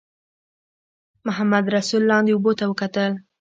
محمدرسول لاندې اوبو ته وکتل.